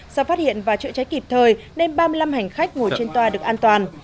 do phát hiện và chữa cháy kịp thời nên ba mươi năm hành khách ngồi trên tòa được an toàn